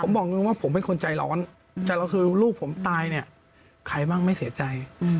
ผมบอกเลยว่าผมเป็นคนใจร้อนแต่เราคือลูกผมตายเนี่ยใครบ้างไม่เสียใจ